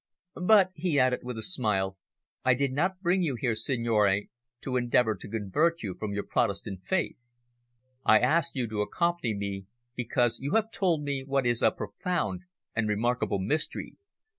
But," he added, with a smile, "I did not bring you here, signore, to endeavour to convert you from your Protestant faith. I asked you to accompany me, because you have told me what is a profound and remarkable mystery.